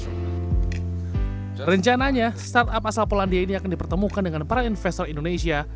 rencananya startup asal polandia ini akan dipertemukan dengan para investor indonesia